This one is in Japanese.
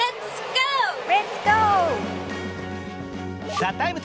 「ＴＨＥＴＩＭＥ，」